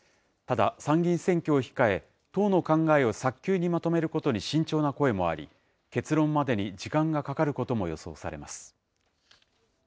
ただ、参議院選挙を控え、党の考えを早急にまとめることに慎重な声もあり、結論までに時間がかかることも予想されます。